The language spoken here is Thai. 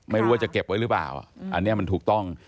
ไม่รู้ว่าจะเก็บไว้หรือเปล่าอันนี้มันถูกต้อง